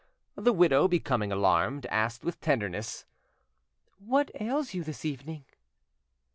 The widow, becoming alarmed, asked with tenderness— "What ails you this evening?"